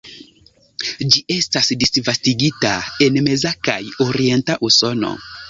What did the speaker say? Ĝi estas disvastigita en meza kaj orienta Usono.